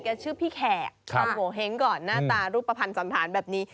ชื่อพี่แขกทำโงเห้งก่อนหน้าตารูปภัณฑ์สันธารแบบนี้